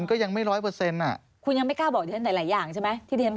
คุณแม่คุณแม่รัชรี